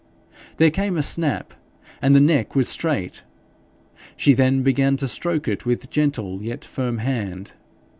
There came a snap, and the neck was straight. She then began to stroke it with gentle yet firm hand.